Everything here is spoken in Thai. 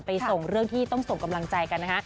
ส่งเรื่องที่ต้องส่งกำลังใจกันนะคะ